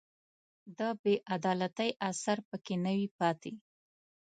د بې عدالتۍ اثر په کې نه وي پاتې